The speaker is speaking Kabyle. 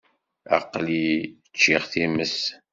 Aql-i ččiɣ times.